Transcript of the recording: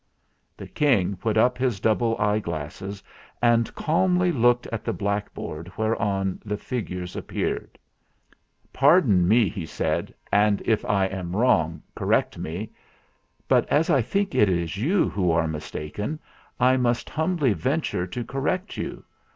The King put up his double eyeglasses, and calmly looked at the blackboard whereon the figures appeared. "Pardon me," he said, "and if I am wrong, correct me; but as I think it is you who are mistaken, I must humbly venture to correct you.